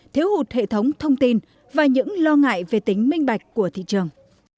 thiếu hụt hệ thống thông tin và những lo ngại về tính minh bạch của thị trường